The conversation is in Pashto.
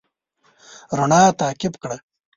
رڼا تعقيب کړه.